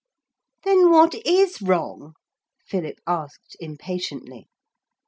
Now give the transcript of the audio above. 'Then what is wrong?' Philip asked impatiently.